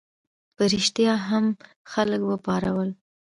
په ریشتیا یې هم خلک وپارول.